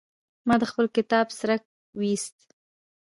ما د خپل کتاب څرک ويوست.